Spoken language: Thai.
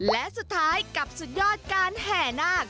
และสุดท้ายกับสุดยอดการแห่นาค